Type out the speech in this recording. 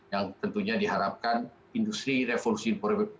yang tentunya diharapkan industri revolusi empat ini akan lebih baik